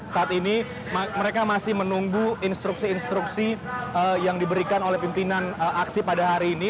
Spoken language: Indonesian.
saat ini mereka masih menunggu instruksi instruksi yang diberikan oleh pimpinan aksi pada hari ini